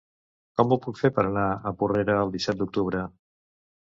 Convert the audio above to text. Com ho puc fer per anar a Porrera el disset d'octubre?